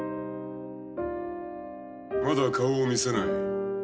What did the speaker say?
まだ顔を見せない？